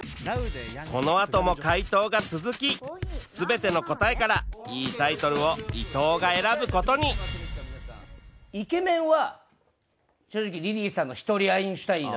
このあとも回答が続きすべての答えからいいタイトルを伊藤が選ぶことにイケメンは正直リリーさんの「１人アインシュタイン」だと思います。